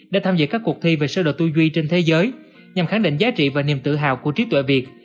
để tham dự các cuộc thi về sơ đồ tư duy trên thế giới nhằm khẳng định giá trị và niềm tự hào của trí tuệ việt